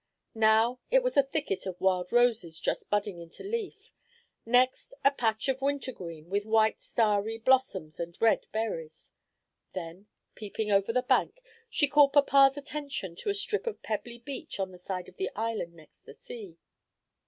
Now it was a thicket of wild roses just budding into leaf. Next a patch of winter green, with white starry blossoms and red berries. Then, peeping over the bank, she called papa's attention to a strip of pebbly beach on the side of the island next the sea.